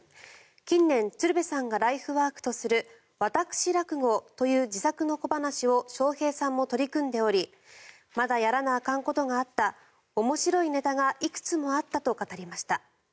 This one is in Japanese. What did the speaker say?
近年、鶴瓶さんがライフワークとする「私落語」という自作の小噺を笑瓶さんも取り組んでおりまだやらなあかんことがあった面白いネタがいくつもあったと語りました。